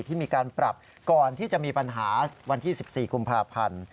ที่มีการปรับก่อนที่จะมีปัญหาวันที่๑๔กุมภาพันธ์